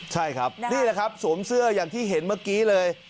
ใช่ครับนี่แหละครับสวมเสื้ออย่างที่เห็นเมื่อกี้เลย